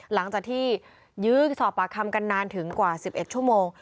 หลังจากที่ยื้อสอบปากคำกันนานถึงกว่า๑๑ชั่วโมง